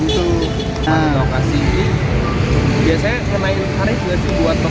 pemain lokasi ini biasanya hemai hari juga sih buat pemain